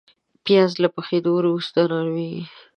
پیاز له پخېدو وروسته نرمېږي